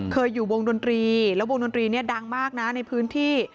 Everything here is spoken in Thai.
เคยอยู่วงดนตรีแล้ววงดนตรีเนี่ยดังมากนะในพื้นที่